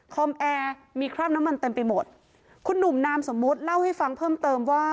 แอร์มีคราบน้ำมันเต็มไปหมดคุณหนุ่มนามสมมุติเล่าให้ฟังเพิ่มเติมว่า